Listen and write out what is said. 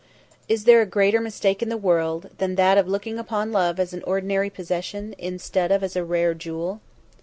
Is there a greater mistake in the world than that of looking upon love as an ordinary possession, instead of as a rare jewel?